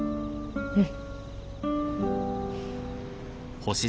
うん。